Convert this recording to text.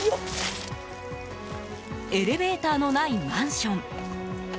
エレベーターのないマンション。